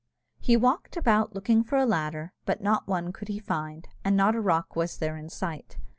He walked about looking for a ladder, but not one could he find, and not a rock was there in sight.